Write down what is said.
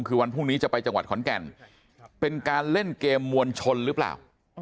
คือวันพรุ่งนี้จะไปจังหวัดขอนแก่นเป็นการเล่นเกมมวลชนหรือเปล่า